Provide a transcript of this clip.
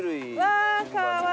わあかわいい！